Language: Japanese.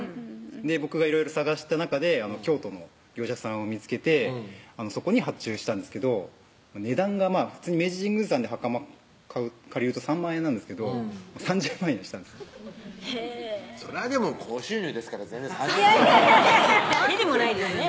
僕がいろいろ探した中で京都の業者さんを見つけてそこに発注したんですけど値段がまぁ明治神宮さんではかま借りると３万円なんですけど３０万円したんですへぇそれはでも高収入ですから全然３０万屁でもないですね